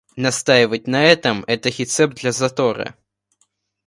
Настаивать на этом — это рецепт для затора.